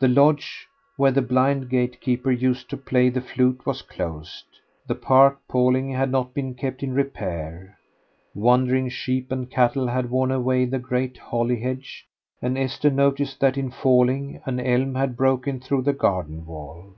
The lodge where the blind gatekeeper used to play the flute was closed; the park paling had not been kept in repair; wandering sheep and cattle had worn away the great holly hedge; and Esther noticed that in falling an elm had broken through the garden wall.